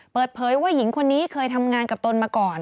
เปิดเผยว่าหญิงคนนี้เคยทำงานกับตนมาก่อน